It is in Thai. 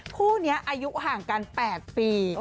คู่นี้อายุห่างกัน๘ปี